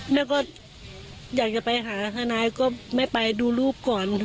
แล้วก็อยากจะไปหาทนายก็ไม่ไปดูรูปก่อน